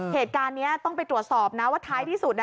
เหตุการณ์นี้ต้องไปตรวจสอบนะว่าท้ายที่สุด